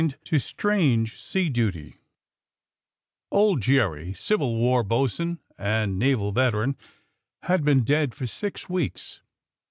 TED TO STEANGB SEA DUTY OLD JEERY, Civil War boatswain and naval veteran, had been dead for six weeks.